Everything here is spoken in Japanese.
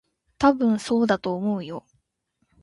たぶん、そうだと思うよ。